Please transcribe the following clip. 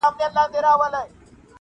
دا پاته عمر ملنګي کوومه ښه کوومه,